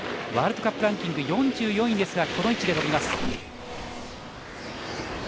ワールドカップランキング４４位ですがこの位置で飛びます。